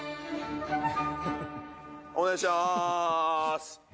お願いしまーす！